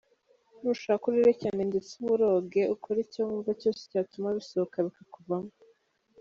Nushaka urire cyane ndetse uburoge ,ukore icyo wumva cyose cyatuma bisohoka bikakuvamo.